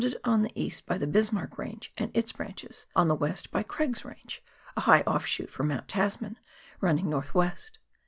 d on the east by the Bismarck Range and its branches, on the west by Craig's Range, a high offshoot from Mount Tasman, running north west.